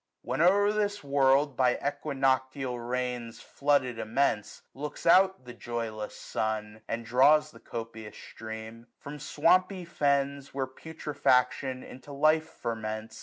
1025' When o'er this world, by equinoctial rains Flooded immense, looks out the joyless sun. And draws the copious stream : from swampy fens. Where putrefaction into life ferments.